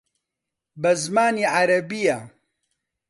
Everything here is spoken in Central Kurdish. بە زمانی عەرەبییە